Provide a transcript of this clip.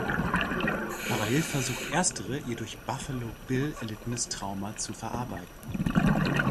Parallel versucht erstere ihr durch "Buffalo Bill" erlittenes Trauma zu verarbeiten.